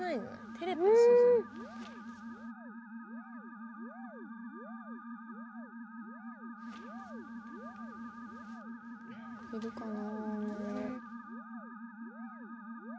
テレパシーじゃない？いるかな？